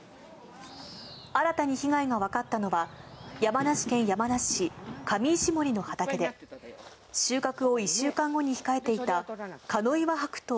新たに被害が分かったのは、山梨県山梨市かみいしもりの畑で、収穫を１週間後に控えていた加納岩白桃